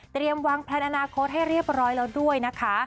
วางแพลนอนาคตให้เรียบร้อยแล้วด้วยนะคะ